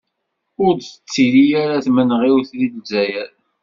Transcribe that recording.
Ur d-tettili ara tmenɣiwt di Zzayer.